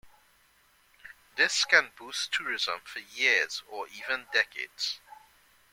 This can boost tourism for years or even decades.